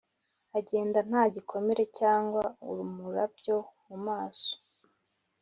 agenda nta gikomere, cyangwa umurabyo mu maso,